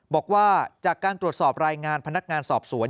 บอกว่าจากการตรวจสอบรายงานพนักงานสอบสวน